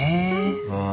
ああ。